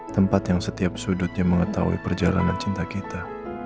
tempat yang setiap sudutnya mengetahui perjalanan cinta kita